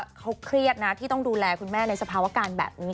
สื่อมวลชนเลยว่าเขาเครียดนะที่ต้องดูแลคุณแม่ในสภาวะการแบบนี้